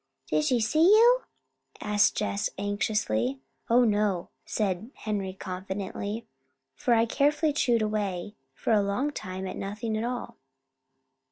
"Did she see you?" asked Jess anxiously. "Oh, no," said Henry confidently. "For I carefully chewed away for a long time on nothing at all."